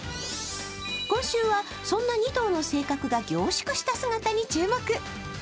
今週はそんな２頭の性格が凝縮した姿に注目。